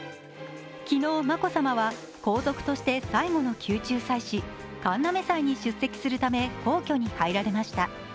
昨日、眞子さまは皇族として最後の宮中祭祀神嘗祭に出席するため皇居に入られました。